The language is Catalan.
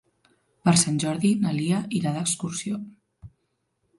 Per Sant Jordi na Lia irà d'excursió.